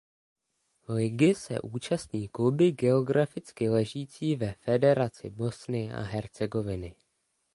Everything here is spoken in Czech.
Ligy se účastní kluby geograficky ležící ve Federaci Bosny a Hercegoviny.